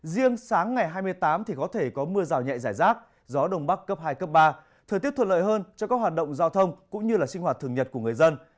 riêng sáng ngày hai mươi tám thì có thể có mưa rào nhẹ giải rác gió đông bắc cấp hai cấp ba thời tiết thuận lợi hơn cho các hoạt động giao thông cũng như là sinh hoạt thường nhật của người dân